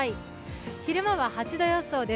昼間は８度予想です。